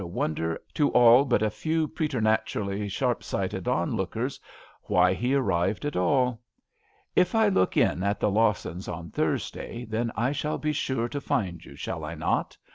a wonder to all but a few preter naturally sharpsighted onlookers why he arrived at all ?If I look in at the Lawsons on Thursday, then, I shall be sure to find you, shall I not